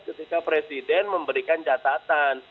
ketika presiden memberikan catatan